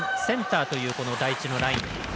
センターという第１のライン。